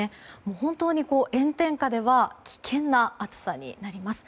本当に炎天下では危険な暑さになります。